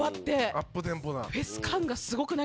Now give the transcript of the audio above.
アップテンポな。